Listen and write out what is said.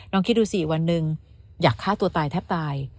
คิดดูสิวันหนึ่งอยากฆ่าตัวตายแทบตาย